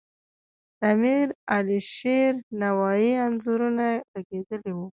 د امیر علیشیر نوایي انځورونه لګیدلي وو.